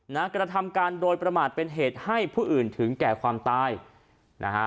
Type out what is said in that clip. กระทำการโดยประมาทเป็นเหตุให้ผู้อื่นถึงแก่ความตายนะฮะ